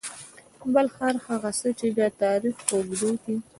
بل هر هغه څه چې د تاريخ په اوږدو کې .